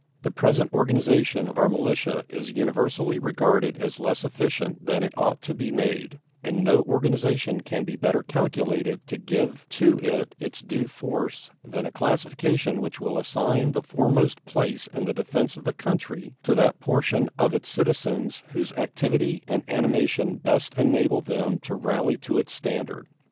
The present organization of our militia is universally regarded as less efficient than it ought to be made, and no organization can be better calculated to give to it its due force than a classification which will assign the foremost place in the defense of the country to that portion of its citizens whose activity and animation best enable them to rally to its standard.